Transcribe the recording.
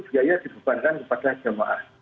biaya diberikan kepada jemaah